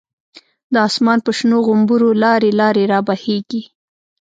د آسمان په شنو غومبرو، لاری لاری را بهیږی